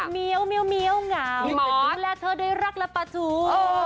เมียวงามและเธอด้วยรักและประถู